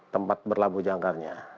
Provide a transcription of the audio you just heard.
tempat berlapu jangkarnya